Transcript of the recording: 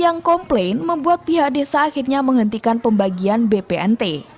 yang komplain membuat pihak desa akhirnya menghentikan pembagian bpnt